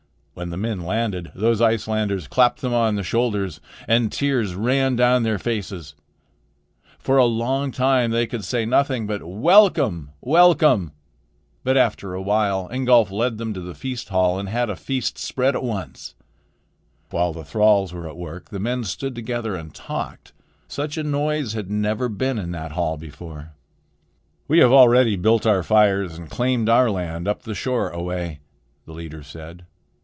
When the men landed, those Icelanders clapped them on the shoulders, and tears ran down their faces. For a long time they could say nothing but "Welcome! Welcome!" [Illustration: "Those Icelanders clapped them on the shoulders"] But after a while Ingolf led them to the feast hall and had a feast spread at once. While the thralls were at work, the men stood together and talked. Such a noise had never been in that hall before. "We have already built our fires and claimed our land up the shore a way," the leader said.